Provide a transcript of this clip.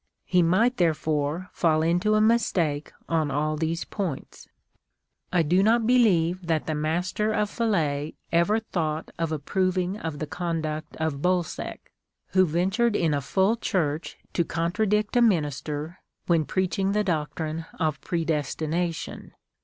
He might, therefore, fall into a mistake on all these points. " I do not believe that the Master of Falais ever thought of approving of the conduct of Bolsec, Avho ventured in a full church to contradict a minister, when preaching the doctrine of predestination.